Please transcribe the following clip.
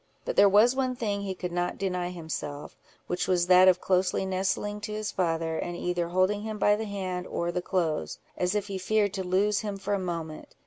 But there was one thing he could not deny himself, which was that of closely nestling to his father, and either holding him by the hand or the clothes, as if he feared to lose him for a moment.